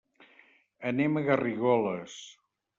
Anem a Garrigoles.